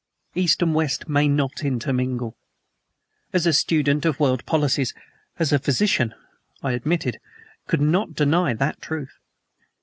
East and West may not intermingle. As a student of world policies, as a physician, I admitted, could not deny, that truth.